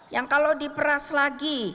yang kalau diperas lagi